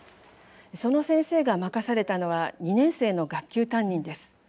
その先生が任されたのは２年生の学級担任です。